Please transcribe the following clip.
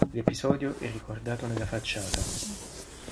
L'episodio è ricordato nella facciata.